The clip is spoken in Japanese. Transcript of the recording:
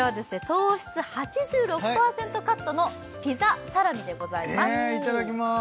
糖質８６％カットのピザサラミでございますえいただきます